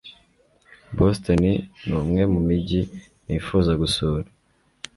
Boston ni umwe mu mijyi nifuza gusura